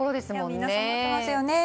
皆さん思っていますよね。